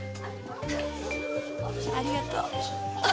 ありがとう。